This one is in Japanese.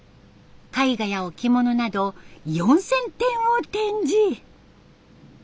絵画や置物など４，０００点を展示。